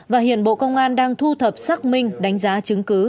và hiện bộ công an đang thu thập xác minh đánh giá chứng cứ